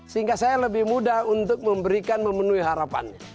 sehingga saya lebih mudah untuk memberikan memenuhi harapannya